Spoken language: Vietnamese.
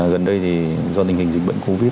gần đây thì do tình hình dịch bệnh covid